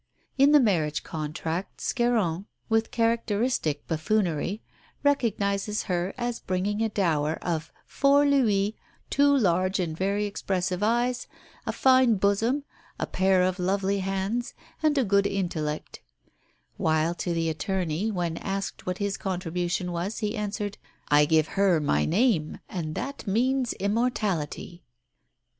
In the marriage contract Scarron, with characteristic buffoonery, recognises her as bringing a dower of "four louis, two large and very expressive eyes, a fine bosom, a pair of lovely hands, and a good intellect"; while to the attorney, when asked what his contribution was, he answered, "I give her my name, and that means immortality."